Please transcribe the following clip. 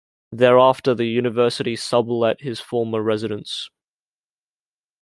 Thereafter the university sub-let his former residence.